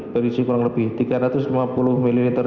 berisi kurang lebih tiga ratus lima puluh ml